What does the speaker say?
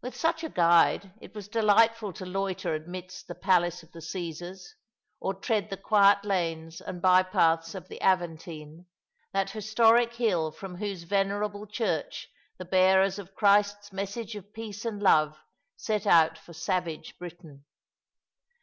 With such a guide it was delightful to loiter amidst the Palace of the Cassars, or tread the quiet lanes and by paths of the Aventine, that historic hill from whose venerable church the bearers of Christ's message of peace and love set out for savage Britain.